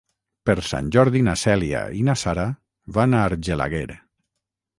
Per Sant Jordi na Cèlia i na Sara van a Argelaguer.